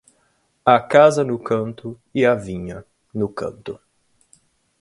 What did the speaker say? A casa no canto; e a vinha, no canto.